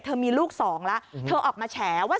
มีลูกสองแล้วเธอออกมาแฉว่า